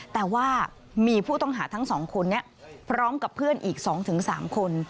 แต่ว่ามีผู้ต้องหาทั้ง๒คนนี้พร้อมกับเพื่อนอีก๒๓คน